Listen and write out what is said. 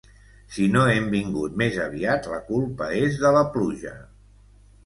Si no hem vingut més aviat la culpa és de la pluja.